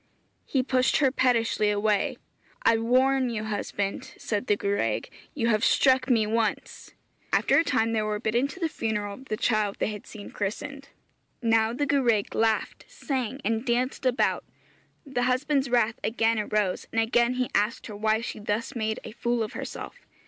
He pushed her pettishly away. 'I warn you, husband,' said the gwraig; 'you have struck me once.' After a time they were bidden to the funeral of the child they had seen christened. Now the gwraig laughed, sang, and danced about. The husband's wrath again arose, and again he asked her why she thus made a fool of herself.